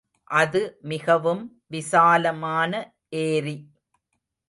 அது மிகவும் விசாலமான ஏரி.